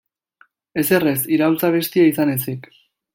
Ezer ez, iraultza-abestia izan ezik.